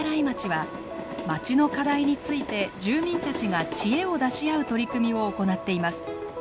はまちの課題について住民たちが知恵を出し合う取り組みを行っています。